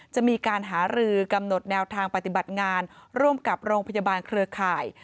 จะมีการหารือกำหนดแนวทางปฏิบัติงานร่วมกับโรงพยาบาลเครือข่าย